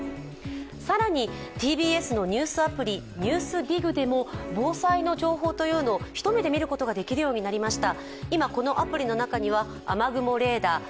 更にＴＢＳのニュースアプリ「ＮＥＷＳＤＩＧ」でも防災の情報というのを一目で見ることができるようになりました。